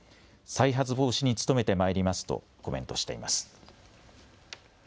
再発防止に努めてまいりますとコメントしています。